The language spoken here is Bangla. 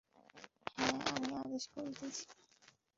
হাঁ, আমি আদেশ করিতেছি।